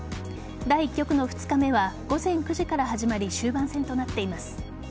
第１局の２日目は午前９時から始まり終盤戦となっています。